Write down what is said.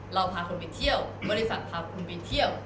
เราพาคุณไปเที่ยวบริษัทพาคุณไปเที่ยว